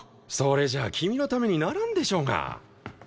それじゃ君のためにならんでしょうが。